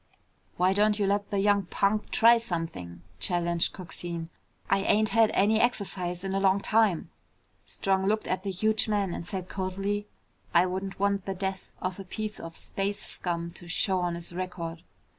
"Why don't you let the young punk try something?" challenged Coxine. "I ain't had any exercise in a long time." Strong looked at the huge man and said coldly, "I wouldn't want the death of a piece of space scum to show on his record."